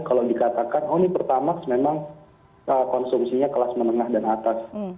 kalau dikatakan oh ini pertamax memang konsumsinya kelas menengah dan atas